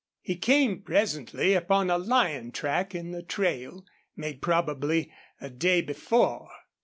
He came, presently, upon a lion track in the trail, made probably a day before.